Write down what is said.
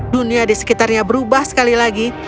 dunia di sekitarnya berubah sekali lagi